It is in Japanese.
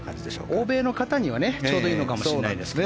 欧米の方にはちょうどいいのかもしれないです。